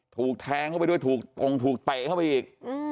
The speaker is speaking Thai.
ถูกแทงเข้าไปด้วยถูกองค์ถูกเตะเข้าไปอีก